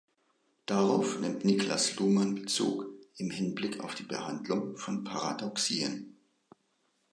Darauf nimmt Niklas Luhmann Bezug im Hinblick auf die Behandlung von Paradoxien.